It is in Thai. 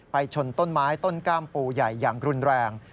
ชนต้นไม้ต้นกล้ามปูใหญ่อย่างรุนแรง